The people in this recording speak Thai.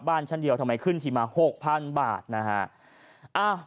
บ้านชั้นเดียวทำไมขึ้นทีมาหกพันบาทนะฮะ